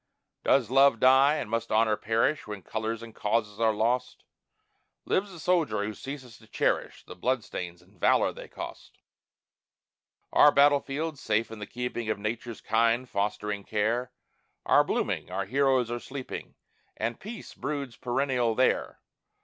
Does love die, and must honor perish When colors and causes are lost? Lives the soldier who ceases to cherish The blood stains and valor they cost? Our battle fields, safe in the keeping Of Nature's kind, fostering care, Are blooming, our heroes are sleeping, And peace broods perennial there.